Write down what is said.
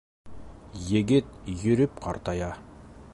Егет йөрөп ҡартая